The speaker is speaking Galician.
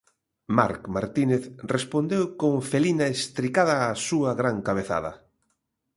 Marc Martínez respondeu con felina estricada á súa gran cabezada.